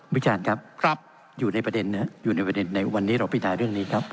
บิจารณ์ครับอยู่ในประเด็นในวันนี้เราพิจารณาเรื่องนี้ครับ